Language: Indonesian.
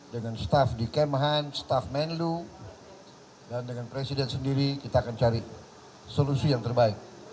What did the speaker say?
dengan staff di kemhan staf menlu dan dengan presiden sendiri kita akan cari solusi yang terbaik